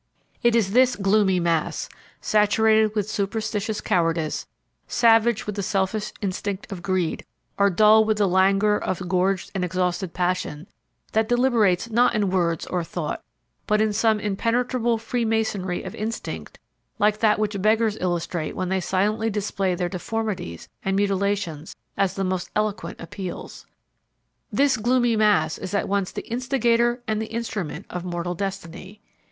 It is this gloomy mass, saturated with superstitious cowardice, savage with the selfish instinct of greed, or dull with the languor of gorged and exhausted passion, that deliberates not in words or thought, but in some impenetrable free masonry of instinct like that which beggars illustrate when they silently display their deformities and mutilations as the most eloquent appeals. This gloomy mass is at once the instigator and the instrument of mortal destiny.